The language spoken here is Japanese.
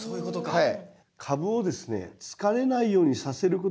はい。